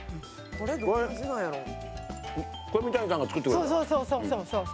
これ三谷さんが作ってくれた。